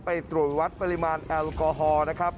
ไปตรวจวัดปริมาณแอลกอฮอล์นะครับ